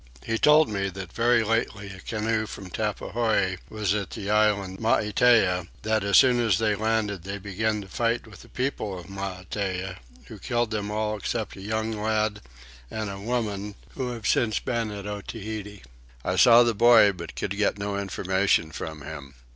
He told me that very lately a canoe from Tappuhoi was at the island Maitea; that as soon as they landed they began to fight with the people of Maitea who killed them all except a young lad and a woman who have since been at Otaheite. I saw the boy but could get no information from him.